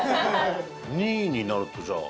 ２位になるとじゃあ。